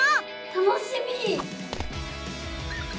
楽しみ！